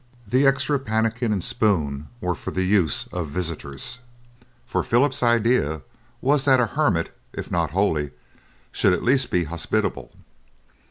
The extra pannikin and spoon were for the use of visitors, for Philip's idea was that a hermit, if not holy, should be at least hospitable.